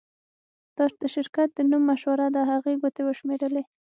دا د شرکت د نوم مشوره ده هغې ګوتې وشمیرلې